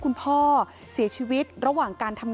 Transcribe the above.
คุณพ่อเสียชีวิตด้วยสาเหตุอะไร